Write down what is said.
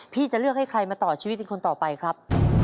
จะเลือกให้ใครมาต่อชีวิตเป็นคนต่อไปครับ